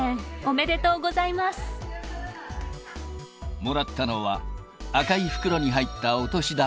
もらったのは、赤い袋に入ったお年玉。